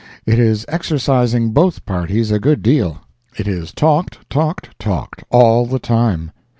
It is exercising both parties a good deal. It is talked, talked, talked—all the time.